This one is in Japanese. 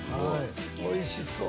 おいしそう！